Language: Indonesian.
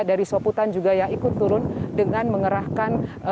dari soputan juga yang ikut turun dengan mengerahkan